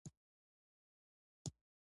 تکرار ورته ښکاري پوه شوې!.